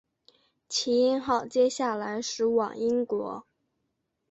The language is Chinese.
耆英号接下来驶往英国。